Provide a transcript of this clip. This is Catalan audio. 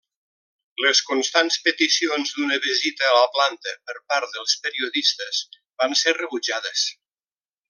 Les constants peticions d'una visita a la planta per part dels periodistes van ser rebutjades.